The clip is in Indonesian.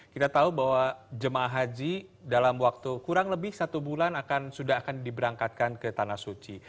kita tahu bahwa jemaah haji dalam waktu kurang lebih satu bulan sudah akan diberangkatkan ke tanah suci